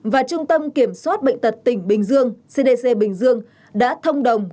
và trung tâm kiểm soát bệnh tật tỉnh bình dương cdc bình dương đã thông đồng